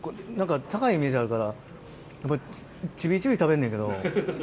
高いイメージあるからやっぱちびちび食べんのやけど。